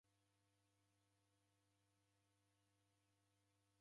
Machi gha mbuta ghadwae mbeo